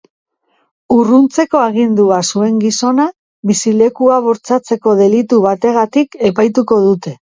Urruntzeko agindua zuen gizona bizilekua bortxatzeko delitu bategatik epaituko dute.